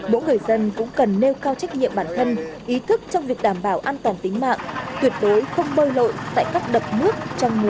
mỗi người dân cũng cần nêu cao trách nhiệm bản thân ý thức trong việc đảm bảo an toàn tính mạng tuyệt đối không bơi lội tại các đập nước trong mùa mưa